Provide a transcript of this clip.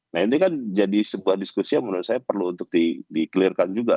nah ini kan jadi sebuah diskusi yang menurut saya perlu untuk di clear kan juga